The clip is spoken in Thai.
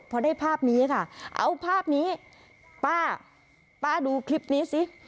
พอได้ภาพนี้ค่ะเอาภาพนี้ป้าป้าดูคลิปนี้สิ